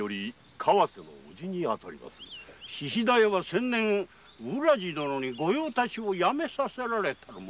菱田屋は先年浦路殿に御用達を辞めさせられた者。